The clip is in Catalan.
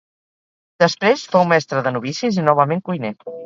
Després fou mestre de novicis i novament cuiner.